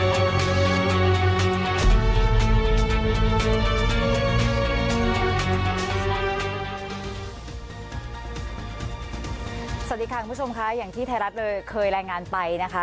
สวัสดีค่ะคุณผู้ชมค่ะอย่างที่ไทยรัฐเลยเคยรายงานไปนะคะ